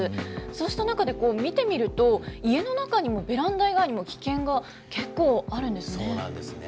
そうした中で見てみると、家の中にもベランダ以外にも、危険が結構あるんですね。